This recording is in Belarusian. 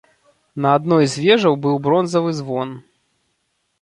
На адной з вежаў быў бронзавы звон.